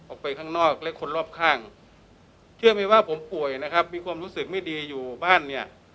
ออกไปข้างนอกและคนรอบข้างเชื่อไหมว่าผมป่วยนะครับมีความรู้สึกไม่ดีอยู่บ้านเนี่ย